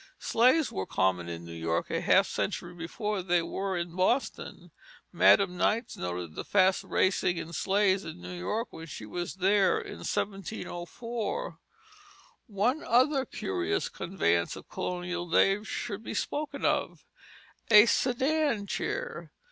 Sleighs were common in New York a half century before they were in Boston. Madam Knights noted the fast racing in sleighs in New York when she was there in 1704. One other curious conveyance of colonial days should be spoken of, a sedan chair.